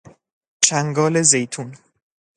چنگال زیتون